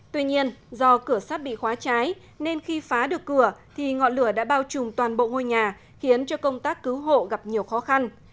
tuy nhiên do cửa sắt bị khóa cháy nên khi phá được cửa thì ngọn lửa đã bao trùm toàn bộ ngôi nhà khiến cho công tác cứu hộ gặp nhiều khó khăn